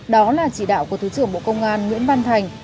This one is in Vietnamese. đó là chỉ đạo của thứ trưởng bộ công an nguyễn văn thành